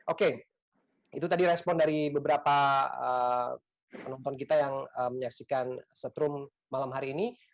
oke itu tadi respon dari beberapa penonton kita yang menyaksikan setrum malam hari ini